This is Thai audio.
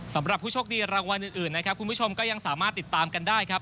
สำหรับผู้โชคดีรางวัลอื่นนะครับคุณผู้ชมก็ยังสามารถติดตามกันได้ครับ